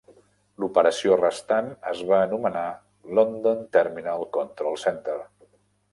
L'operació restant es va anomenar London Terminal Control Centre.